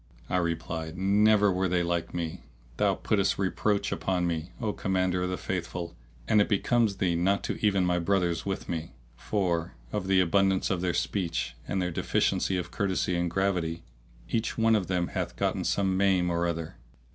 I replied, "Never were they like me! Thou puttest reproach upon me, O Commander of the Faithful, and it becomes thee not to even my brothers with me; for, of the abundance of their speech and their deficiency of courtesy and gravity, each one of them hath gotten some maim or other.